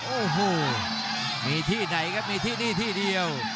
โอ้โหมีที่ไหนครับมีที่นี่ที่เดียว